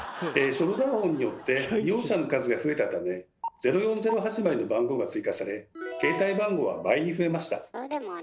ショルダーホンによって利用者の数が増えたため「０４０」始まりの番号が追加され携帯番号は倍に増えました。